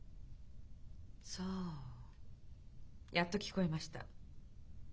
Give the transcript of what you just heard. そうやっと聞こえました。